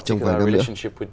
trong vài năm nữa